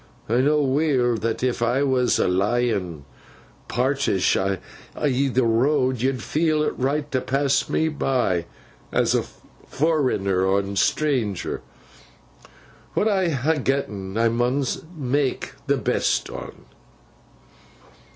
I know weel that if I was a lyin parisht i' th' road, yo'd feel it right to pass me by, as a forrenner and stranger. What I ha getn, I mun mak th' best on.